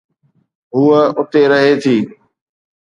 هوءَ اتي رهي ٿي.